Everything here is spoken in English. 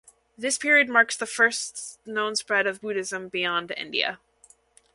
This period marks the first known spread of Buddhism beyond India.